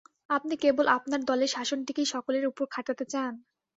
আপনি কেবল আপনার দলের শাসনটিকেই সকলের উপর খাটাতে চান?